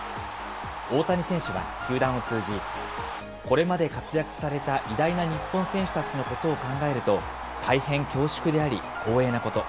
大谷選手は球団を通じ、これまで活躍された偉大な日本選手たちのことを考えると、大変恐縮であり、光栄なこと。